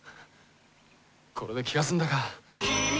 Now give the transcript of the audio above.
これで気が済んだか。